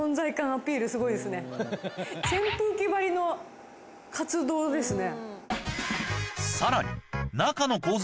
扇風機ばりの活動ですね。